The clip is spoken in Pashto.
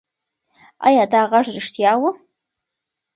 ایا دا غږ رښتیا و؟